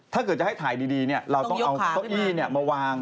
ถ้าเกิดจะให้ถ่ายดีเราต้องเอาเก้าอี้มาวาง